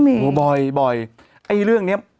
มันติดคุกออกไปออกมาได้สองเดือน